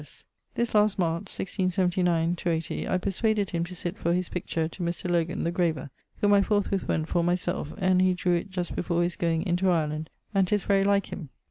This last March, 1679/80, I perswaded him to sitt for his picture to Mr. Loggan, the graver, whom I forthwith went for myselfe, and he drewe it just before his goeing into Ireland, and 'tis very like him.